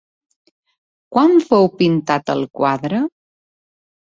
Quan fou pintat el quadre?